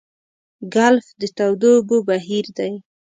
ګلف د تودو اوبو بهیر دی.